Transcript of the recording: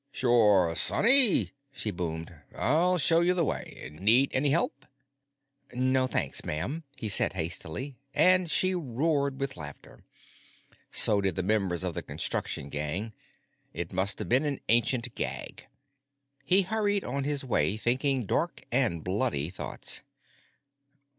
"Sure, sonny," she boomed. "I'll show you the way. Need any help?" "No, thanks, ma'am," he said hastily, and she roared with laughter. So did the members of the construction gang; it must have been an ancient gag. He hurried on his way thinking dark and bloody thoughts.